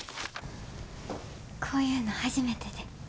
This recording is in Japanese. こういうの初めてで。